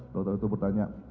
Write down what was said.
dokter itu bertanya